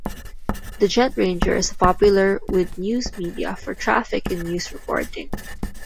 The JetRanger is popular with news media for traffic and news reporting.